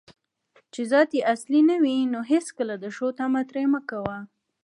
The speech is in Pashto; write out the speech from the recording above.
چې ذات یې اصلي نه وي، نو هیڅکله د ښو طمعه ترې مه کوه